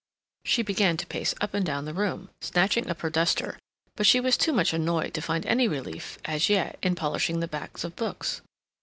She began to pace up and down the room, snatching up her duster; but she was too much annoyed to find any relief, as yet, in polishing the backs of books.